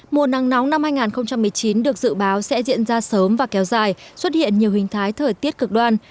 mùa nắng nóng năm hai nghìn một mươi chín được dự báo sẽ diễn ra sớm và kéo dài xuất hiện nhiều hình thái thời tiết cực đoan